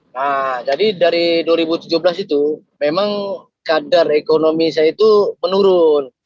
nah jadi dari dua ribu tujuh belas itu memang kadar ekonomi saya itu menurun